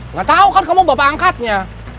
nggak tahu kan kamu bapak angkatnya